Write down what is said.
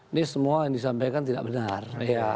ini semua yang disampaikan tidak benar